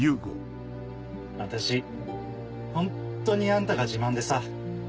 私ホントにあんたが自慢でさ。